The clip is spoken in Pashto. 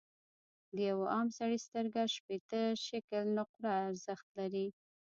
د یوه عام سړي سترګه شپیته شِکِل نقره ارزښت لري.